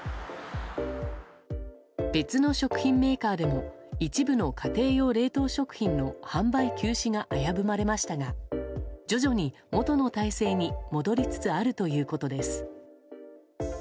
別の食品メーカーでも一部の冷凍食品の販売休止が危ぶまれましたが徐々に元の体制に戻りつつあるということです。